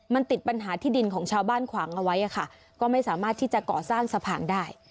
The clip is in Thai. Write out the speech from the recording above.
มันติดปัญหาที่ดินของชาวบ้านขวางเอาไว้ค่ะก็ไม่สามารถที่จะก่อสร้างสะพานได้